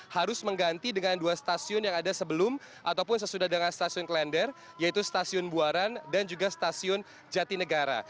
harus mengganti dengan dua stasiun yang ada sebelum ataupun sesudah dengan stasiun klender yaitu stasiun buaran dan juga stasiun jatinegara